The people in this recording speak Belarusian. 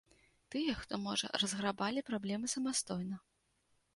Тыя, хто можа, разграбалі праблемы самастойна.